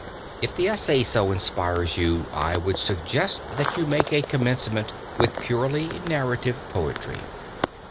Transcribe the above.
If the essay so inspires you I would suggest that you make a commencement with purely narrative poetry.